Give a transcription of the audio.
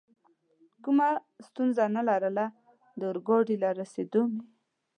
کومه ستونزه نه لرله، د اورګاډي له رارسېدو مې.